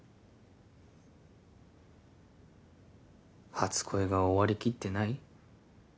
初恋が終わりきってない？